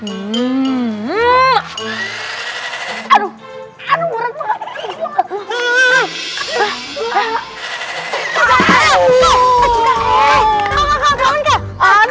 aduh buruk banget